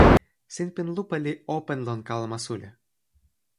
sinpin lupa li open lon kalama suli.